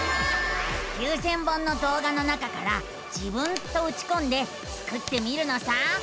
９，０００本のどう画の中から「自分」とうちこんでスクってみるのさ。